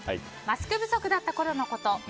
マスク不足だったころのこと。